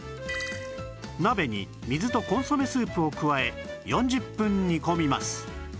鍋に水とコンソメスープを加え４０分煮込みます